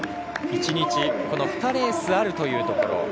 １日２レースあるというところ。